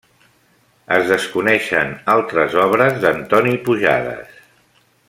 Es desconeixen altres obres d'Antoni Pujades.